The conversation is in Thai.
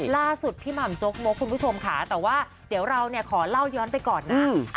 ล่าสุดพี่หม่ำโจ๊กมกคุณผู้ชมค่ะแต่ว่าเดี๋ยวเราเนี่ยขอเล่าย้อนไปก่อนนะ